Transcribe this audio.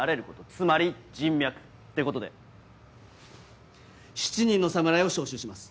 つまり人脈ってことで７人の侍を招集します。